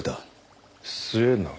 末永